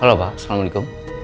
halo pak assalamu'alaikum